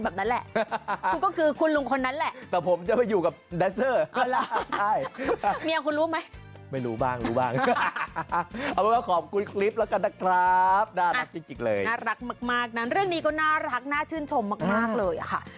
แบบนั้นแหละคุณก็คือคุณลงคนนั้นแหละ